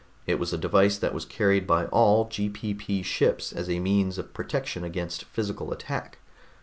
It was a device that was carried by all GPP Ships as a means of protection against physical attack.